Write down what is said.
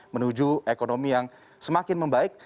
menuju ekonomi yang semakin membaik